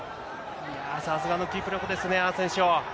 さすがのキープ力ですね、アセンシオ。